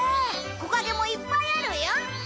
木陰もいっぱいあるよ。